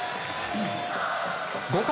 ５回。